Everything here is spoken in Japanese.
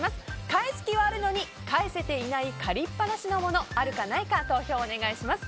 返す気はあるのに返せていない借りっぱなしのものあるかないか投票をお願いします。